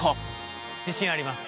自信あります。